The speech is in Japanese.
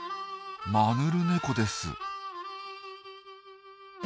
マヌルネコです。